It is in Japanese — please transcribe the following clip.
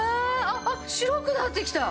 あっ白くなってきた！